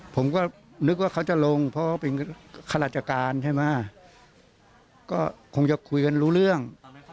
ผมก็นึกว่าเขาจะลงเพราะว่าเป็นข้าราชการใช่ไหมก็คงจะคุยกันรู้เรื่อง